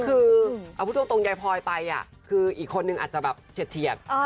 คือเอาพูดตรงยายพลอยไปคืออีกคนนึงอาจจะแบบเฉียด